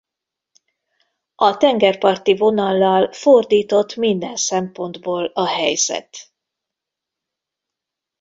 A tengerparti vonallal fordított minden szempontból a helyzet.